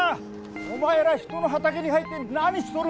お前ら人の畑に入って何しとる